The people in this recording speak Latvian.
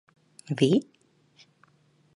Vi?